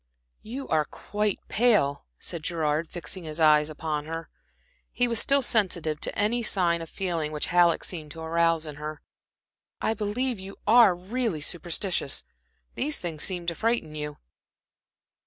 "You are quite pale," said Gerard, fixing his eyes upon her. He was still sensitive to any sign of feeling which Halleck seemed to arouse in her. "I believe you are really superstitious. These things seem to frighten you."